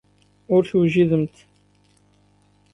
Ur tewjidemt.